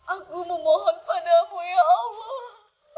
aku memohon padamu ya allah